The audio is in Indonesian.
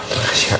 terima kasih pak